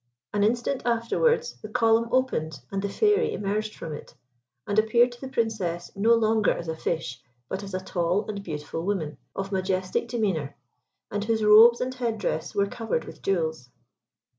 An instant afterwards, the column opened and the Fairy emerged from it, and appeared to the Princess no longer as a fish, but as a tall and beautiful woman, of majestic demeanour, and whose robes and head dress were covered with jewels.